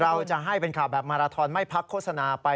เราจะให้เป็นข่าวแบบมาราทอนไม่พักโฆษณาไป